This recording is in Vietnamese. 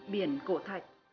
biển cổ thạch